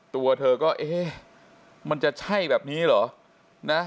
ตัวเธอก็เอ๊ะมันจะใช่แบบนี้เหรอนะ